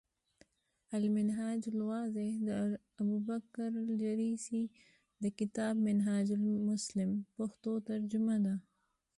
المنهاج الواضح، د الابوبکرالجريسي د کتاب “منهاج المسلم ” پښتو ترجمه ده ۔